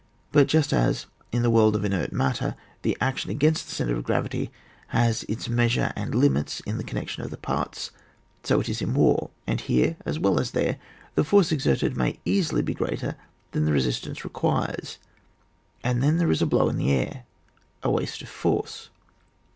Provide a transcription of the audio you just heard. But just as, in the world of inert matter, the action against the centre of gravity has its mea sure and limits in the connection of the parts, so it is in war, and here as well as there the force exerted may easily be greater than the resistance requires, and then there is a blow in the air, a waste of force.